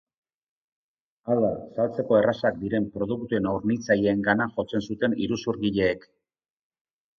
Hau da, saltzeko errazak diren produktuen hornitzaileengana jotzen zuten iruzurgileek.